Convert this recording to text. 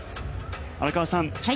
荒川さん